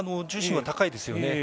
重心は高いですよね。